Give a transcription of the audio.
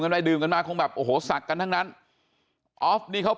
กันมากี้มาของแบบโอ้หัวสักกันทั้งนั้นออฟหนี้เขา